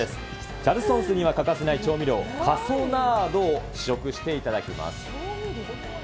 チャルソンスには欠かせない調味料、カソナードを試食していただきます。